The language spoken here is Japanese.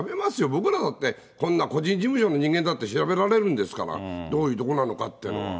僕らだって、こんな個人事務所の人間だって調べられるんですから、どういう所なのかっていうのは。